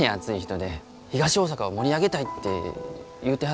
東大阪を盛り上げたいって言うてはったんです。